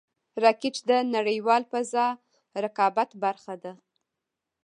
راکټ د نړیوال فضا رقابت برخه ده